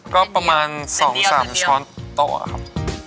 ก็ประมาณ๒๓ช้อนโต๊ะครับ